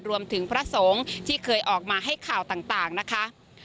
รวมถึงพระสงฆ์ที่เคยออกมาให้ข่าวต่างนะคะ